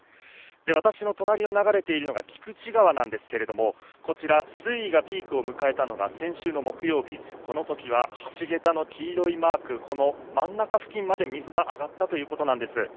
私の隣を流れているのが菊池川なんですけれども、こちら、水位がピークを迎えたのが先週の木曜日、このときは橋桁の黄色いマーク、この真ん中付近まで水が上がったということなんです。